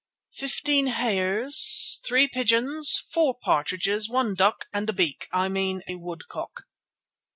fifteen hares, three pigeons, four partridges, one duck, and a beak—I mean a woodcock."